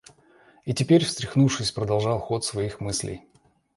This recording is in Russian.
И теперь, встряхнувшись, продолжал ход своих мыслей.